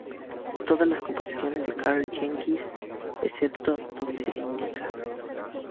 Todas las composiciones de Karl Jenkins excepto donde se indica.